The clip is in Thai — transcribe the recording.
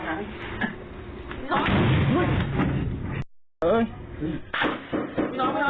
กลุ่มน้ำเบิร์ดเข้ามาร้านแล้ว